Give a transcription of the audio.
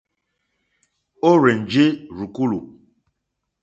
Ó rzènjé rzùkúlù.